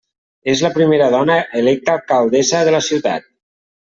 És la primera dona electa alcaldessa de la ciutat.